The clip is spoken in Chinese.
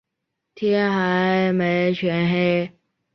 天还没全黑